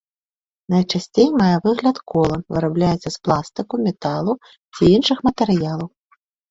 Найчасцей мае выгляд кола, вырабляецца з пластыку, металу ці іншых матэрыялаў.